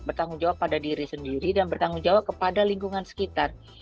bertanggung jawab pada diri sendiri dan bertanggung jawab kepada lingkungan sekitar